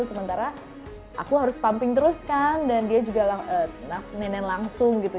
sementara aku harus pumping terus kan dan dia juga nenek langsung gitu